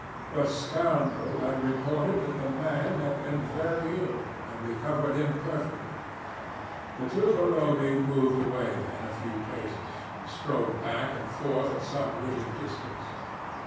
The 'scoundrel' had reported that the 'man' had been very ill had recovered imperfectly. ... The two below me moved away then a few paces, and strolled back and forth at some little distance.